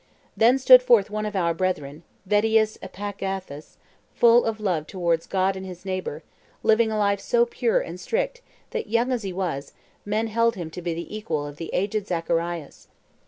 Then stood forth one of our brethren, Vettius Epagathus, full of love towards God and his neighbor, living a life so pure and strict that, young as he was, men held him to be the equal of the aged Zacharias.